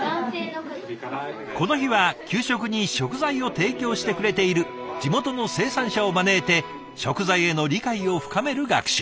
この日は給食に食材を提供してくれている地元の生産者を招いて食材への理解を深める学習。